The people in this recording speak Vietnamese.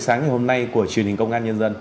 sáng ngày hôm nay của truyền hình công an nhân dân